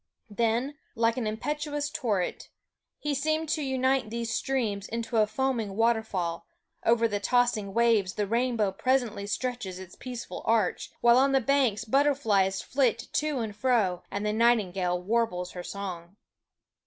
Then, like an impetuous torrent, he seemed to unite these streams into a foaming waterfall; over the tossing waves the rainbow presently stretches its peaceful arch, while on the banks butterflies flit to and fro, and the nightingale warbles her song.